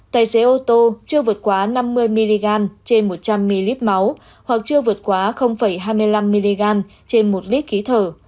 tài xế ô tô chưa vượt quá năm mươi mg trên một trăm linh ml máu hoặc chưa vượt quá hai mươi năm mg trên một lít khí thở